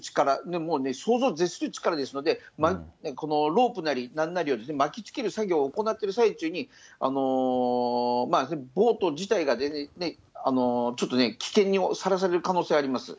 もうね、想像を絶する力ですので、ロープなりなんなりを巻きつける作業を行っている最中に、ボート自体が全然、ちょっと危険にさらされる可能性があります。